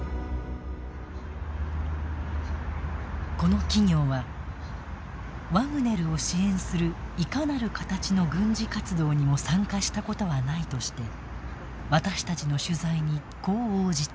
この企業は、ワグネルを支援するいかなる形の軍事活動にも参加したことはないとして私たちの取材に、こう応じた。